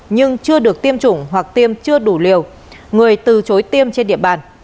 nhưng chưa được tiêm chủng hoặc tiêm chưa đủ liều người từ chối tiêm trên địa bàn